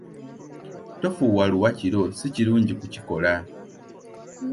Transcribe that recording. Tofuuwa luwa kiro, si kirungi kukikola.